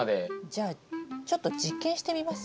じゃあちょっと実験してみます？